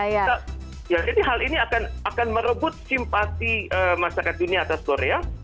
ya jadi hal ini akan merebut simpati masyarakat dunia atas korea